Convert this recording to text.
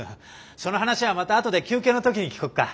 その話はまたあとで休憩の時に聞こっか。